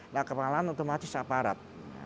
nah keamanan itu masih separat